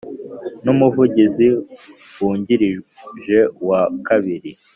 n Umuvugizi wungirije wa kabiri